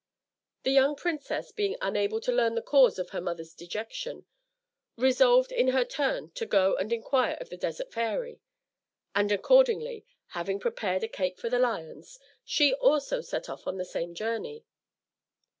The young princess being unable to learn the cause of her mother's dejection, resolved in her turn to go and inquire of the Desert Fairy; and, accordingly, having prepared a cake for the lions, she also set off on the same journey.